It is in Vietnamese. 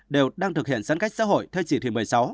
đều đang thực hiện giãn cách xã hội theo chỉ thị một mươi sáu